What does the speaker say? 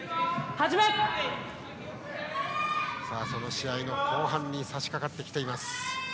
試合の後半に差し掛かってきています。